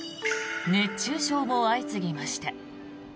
熱中症も相次ぎました。